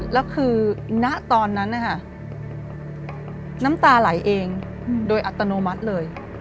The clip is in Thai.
แล้วคือณตอนนั้นนะคะน้ำตาไหลเองโดยอัตโนมัติเลย